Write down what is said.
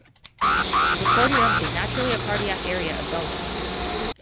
The precordium is naturally a cardiac area of dullness.